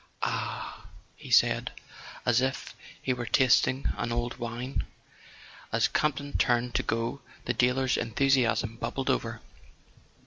"Ah " he said, as if he were tasting an old wine. As Campton turned to go the dealer's enthusiasm bubbled over.